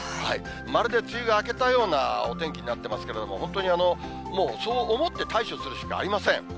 まるで梅雨が明けたようなお天気になってますけれども、本当にもう、そう思って対処するしかありません。